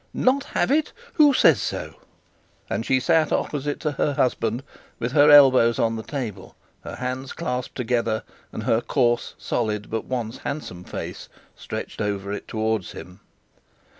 Not have it? Who says so?' And she sat opposite to her husband, with her elbows on the table, her hands clasped together, and her coarse, solid, but once handsome face stretched over it towards him.